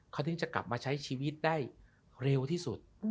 เขาถึงจะกลับมาใช้ชีวิตได้เร็วที่สุด